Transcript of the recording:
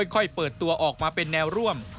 ค่อยเปิดตัวออกมาเป็นแนวร่วม